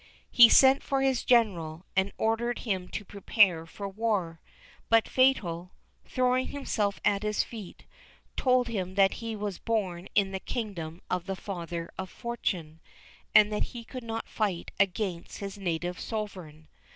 He sent for his General, and ordered him to prepare for war; but Fatal, throwing himself at his feet, told him that he was born in the kingdom of the father of Fortuné, and that he could not fight against his native Sovereign.